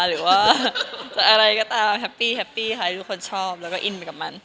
หรือว่าจะอะไรก็ตามแฮปปี้แฮปปี้ค่ะทุกคนชอบแล้วก็อินไปกับมัน